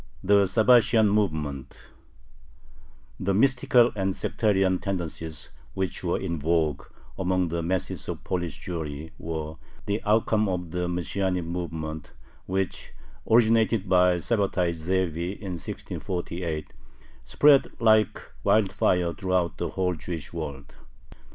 3. THE SABBATIAN MOVEMENT The mystical and sectarian tendencies which were in vogue among the masses of Polish Jewry were the outcome of the Messianic movement, which, originated by Sabbatai Zevi in 1648, spread like wildfire throughout the whole Jewish world.